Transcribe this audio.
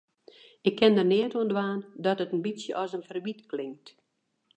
Ik kin der neat oan dwaan dat it in bytsje as in ferwyt klinkt.